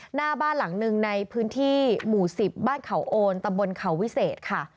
หน้าบ้านหลังหนึ่งในพื้นที่หมู่๑๐บ้านเขาโอนตำบลเขาวิเศษค่ะ